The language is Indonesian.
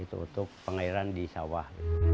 untuk pengairan di sawah